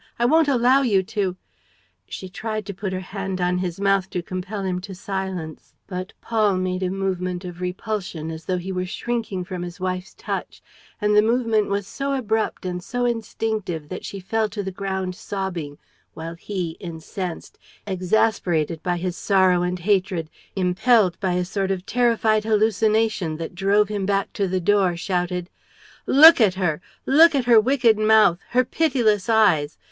I won't allow you to ..." She tried to put her hand on his mouth to compel him to silence. But Paul made a movement of repulsion, as though he were shrinking from his wife's touch; and the movement was so abrupt and so instinctive that she fell to the ground sobbing while he, incensed, exasperated by his sorrow and hatred, impelled by a sort of terrified hallucination that drove him back to the door, shouted: "Look at her! Look at her wicked mouth, her pitiless eyes!